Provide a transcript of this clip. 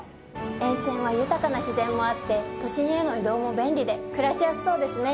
沿線は豊かな自然もあって都心への移動も便利で暮らしやすそうですね。